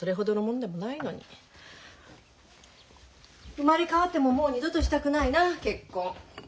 生まれ変わってももう二度としたくないな結婚。